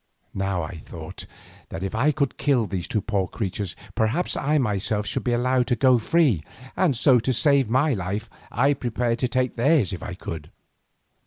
Now I thought that if I could kill these two poor creatures, perhaps I myself should be allowed to go free, and so to save my life I prepared to take theirs if I could.